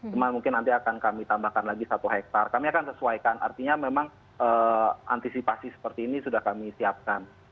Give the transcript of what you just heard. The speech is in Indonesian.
cuma mungkin nanti akan kami tambahkan lagi satu hektare kami akan sesuaikan artinya memang antisipasi seperti ini sudah kami siapkan